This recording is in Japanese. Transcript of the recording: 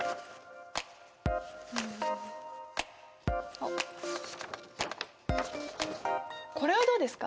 あっこれはどうですか？